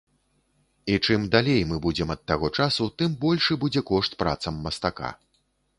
І чым далей мы будзем ад таго часу, тым большы будзе кошт працам мастака.